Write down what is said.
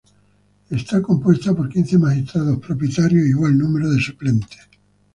Está compuesta por quince magistrados propietarios e igual número de suplentes.